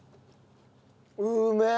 うめえっ！